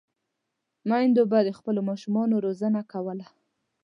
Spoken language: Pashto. میندو به د خپلو ماشومانو روزنه کوله.